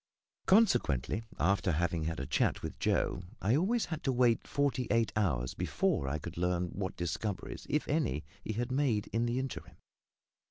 Consequently, after having had a chat with Joe, I always had to wait forty eight hours before I could learn what discoveries if any he had made in the interim.